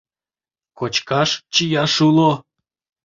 Кочкаш, чияш уло...